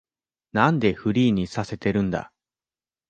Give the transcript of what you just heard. なんでフリーにさせてるんだ